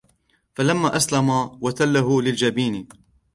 فَلَمَّا أَسْلَمَا وَتَلَّهُ لِلْجَبِينِ